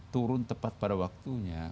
turun tepat pada waktunya